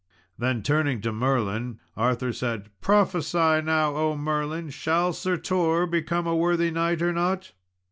Then turning to Merlin, Arthur said, "Prophesy now, O Merlin, shall Sir Tor become a worthy knight, or not?"